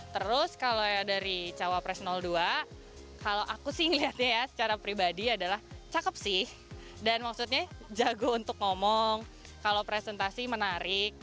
terus kalau dari cawapres dua kalau aku sih ngeliatnya ya secara pribadi adalah cakep sih dan maksudnya jago untuk ngomong kalau presentasi menarik